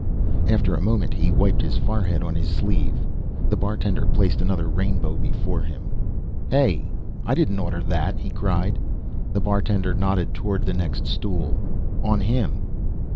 After a moment he wiped his forehead on his sleeve. The bartender placed another rainbow before him. "Hey, I didn't order that," he cried. The bartender nodded toward the next stool. "On him."